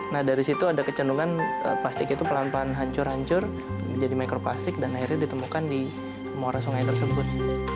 nah dari situ ada kecendungan plastik itu pelan pelan hancur hancur menjadi mikroplastik dan akhirnya ditemukan di muara sungai tersebut